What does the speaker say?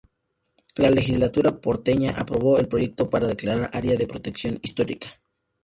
La Legislatura porteña aprobó el proyecto para declarar Área de Protección Histórica.